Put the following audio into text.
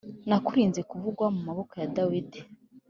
nakurinze kugwa mu maboko ya Dawidi